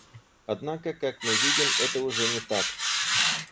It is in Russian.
Однако, как мы видим, это уже не так.